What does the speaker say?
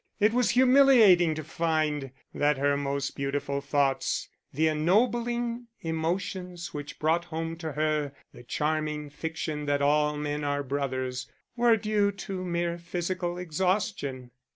It was humiliating to find that her most beautiful thoughts, the ennobling emotions which brought home to her the charming fiction that all men are brothers, were due to mere physical exhaustion.